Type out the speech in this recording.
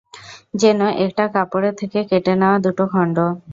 যেন একটা কাপড়ের থেকে কেটে নেওয়া দুটো খন্ড।